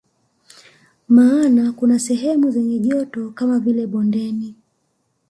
Maana kuna sehemu zenye joto kama vile bondeni